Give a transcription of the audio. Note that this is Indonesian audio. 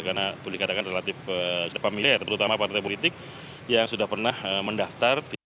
karena boleh dikatakan relatif familiar terutama partai politik yang sudah pernah mendaftar di tahun dua ribu sembilan belas